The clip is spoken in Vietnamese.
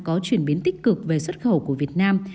có chuyển biến tích cực về xuất khẩu của việt nam